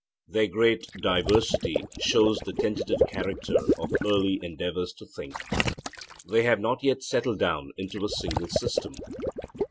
Their great diversity shows the tentative character of early endeavours to think. They have not yet settled down into a single system.